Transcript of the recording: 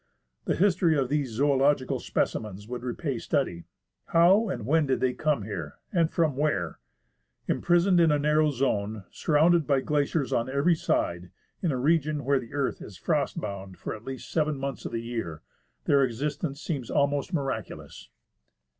The history of these zoological species would repay study. How and when did they come here, and from where .'* Imprisoned in a narrow zone, surrounded by glaciers on every side, in a region where the earth is frost bound for at least seven months of the year, their existence seems almost miraculous.